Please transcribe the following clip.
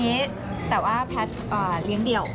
แต่ว่าแพทย์เลี้ยงเดี่ยว